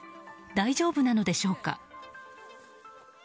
大丈夫なのでしょうか。